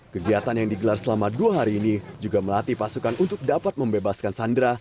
kegiatan yang digelar selama dua hari ini juga melatih pasukan untuk dapat membebaskan sandra